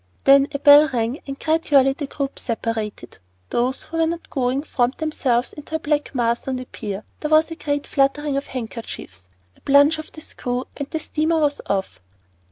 Then a bell rang, and gradually the groups separated; those who were not going formed themselves into a black mass on the pier; there was a great fluttering of handkerchiefs, a plunge of the screw, and the steamer was off.